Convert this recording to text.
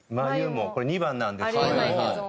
これ２番なんですけども。